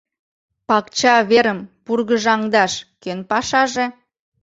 Пакча верым пургыжаҥдаш кӧн пашаже?